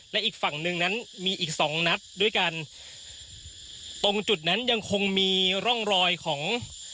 และอีกฝั่งหนึ่งนั้นมีอีกสองนัดด้วยกันตรงจุดนั้นยังคงมีร่องรอยของ